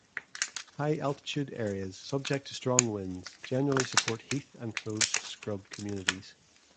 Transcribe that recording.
High altitude areas subject to strong winds generally support heath and closed scrub communities.